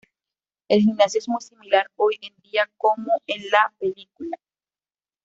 El gimnasio es muy similar hoy en día como en la película.